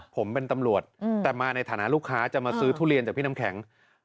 ผมเป็นตำรวจแต่มาในฐานะลูกค้าจะมาซื้อทุเรียนจากพี่น้ำแข็ง